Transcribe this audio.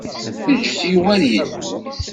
Ǧǧet Yuba ad yeddu.